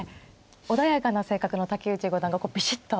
穏やかな性格の竹内五段がこうビシッと。